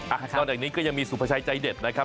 นอกจากนี้ก็ยังมีสุภาชัยใจเด็ดนะครับ